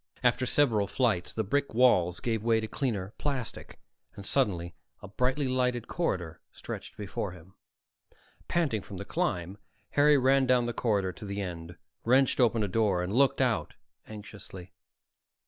After several flights, the brick walls gave way to cleaner plastic, and suddenly a brightly lighted corridor stretched before him. Panting from the climb, Harry ran down the corridor to the end, wrenched open a door, and looked out anxiously.